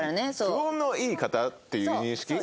都合のいい方っていう認識。